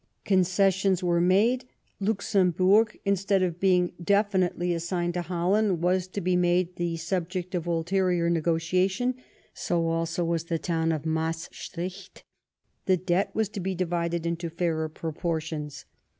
Concessions were made ; Luxemburg, instead of being definitely as signed to Holland, was to be made the subject of ulterior negotiation ; so also was the town of Maestricht ; the debt was to be divided into fairer proportions.